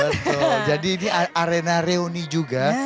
betul jadi ini arena reuni juga